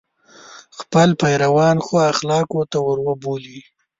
خپل پیروان ښو اخلاقو ته وروبولي.